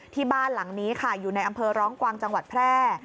บ้านหลังนี้ค่ะอยู่ในอำเภอร้องกวางจังหวัดแพร่